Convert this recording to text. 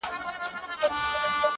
پرېښودلای خو يې نسم-